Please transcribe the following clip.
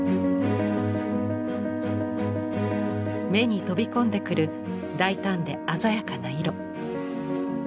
目に飛び込んでくる大胆で鮮やかな色。